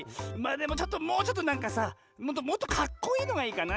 でももうちょっとなんかさもっとカッコいいのがいいかな。